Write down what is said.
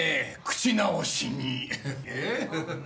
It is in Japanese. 「口直しに」？